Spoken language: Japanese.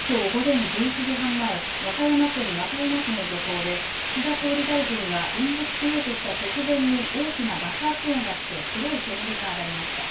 きょう午前１１時半前、和歌山県和歌山市の漁港で岸田総理大臣が演説しようとした直前に大きな爆発音がして白い煙が上がりました。